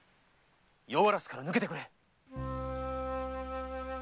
夜鴉から抜けてくれ！